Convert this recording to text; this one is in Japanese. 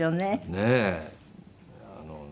ねえ。